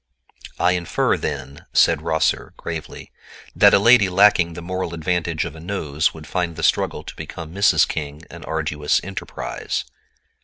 "I infer, then," said Rosser, gravely, "that a lady lacking the moral advantage of a nose would find the struggle to become Mrs. King an arduous enterprise."